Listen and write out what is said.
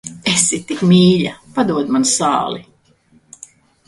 Esi tik mīļa, padod man sāli.